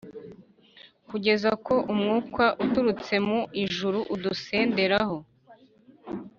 kugeza ko umwuka uturutse mu ijuru udusenderaho.